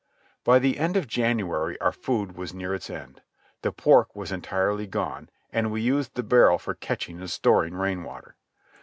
By the end of January our food was near its end. The pork was entirely gone, and we used the barrel for catching and storing rainwater.